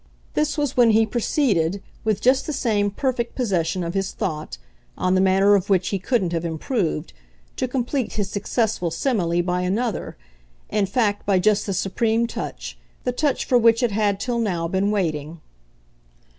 This was when he proceeded, with just the same perfect possession of his thought on the manner of which he couldn't have improved to complete his successful simile by another, in fact by just the supreme touch, the touch for which it had till now been waiting.